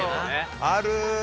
ある。